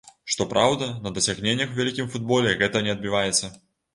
Што праўда, на дасягненнях у вялікім футболе гэта не адбіваецца.